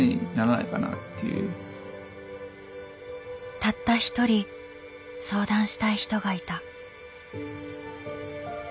たったひとり相談したい人がいた。